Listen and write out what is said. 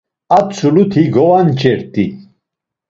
A tzuluti govanç̌ert̆i.